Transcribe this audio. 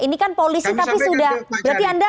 ini kan polisi tapi sudah berarti anda